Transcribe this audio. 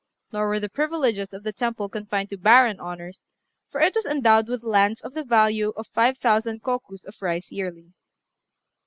Nor were the privileges of the temple confined to barren honours, for it was endowed with lands of the value of five thousand kokus of rice yearly.